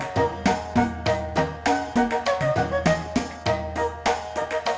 bukan alumni yang belajar